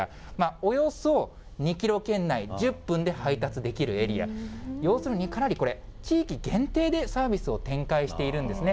およそ２キロ圏内、１０分で配達できるエリア、要するにかなりこれ、地域限定でサービスを展開しているんですね。